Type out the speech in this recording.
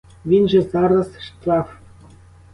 Він же зараз — штраф!